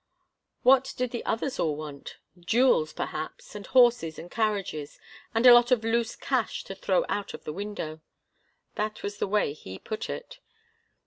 What did the others all want? Jewels, perhaps, and horses and carriages and a lot of loose cash to throw out of the window. That was the way he put it.